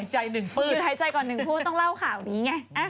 หยุดหายใจก่อนหนึ่งพูดต้องเล่าข่าวนี้ไง